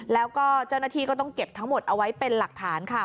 แล้วก็เจ้าหน้าที่ก็ต้องเก็บทั้งหมดเอาไว้เป็นหลักฐานค่ะ